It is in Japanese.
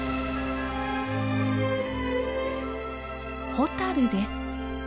ホタルです。